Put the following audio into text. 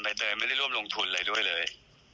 เตยไม่ได้ร่วมลงทุนอะไรด้วยเลย